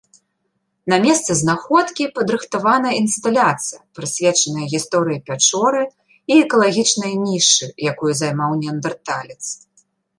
На месцы знаходкі падрыхтавана інсталяцыя, прысвечаная гісторыі пячоры і экалагічнай нішы, якую займаў неандэрталец.